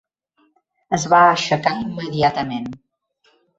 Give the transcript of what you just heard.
Es va aixecar immediatament.